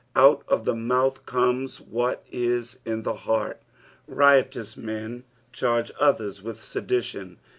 Out of the mouth cornea what is in the heait. Riotous men charge others with sedition.